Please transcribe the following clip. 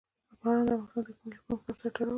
باران د افغانستان د تکنالوژۍ پرمختګ سره تړاو لري.